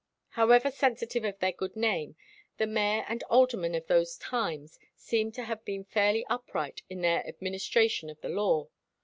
However sensitive of their good name, the mayor and aldermen of those times seem to have been fairly upright in their administration of the law.